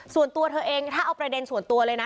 ส่วนตัวเธอเองถ้าเอาประเด็นส่วนตัวเลยนะ